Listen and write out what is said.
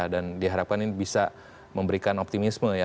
dan diharapkan ini bisa memberikan optimisme ya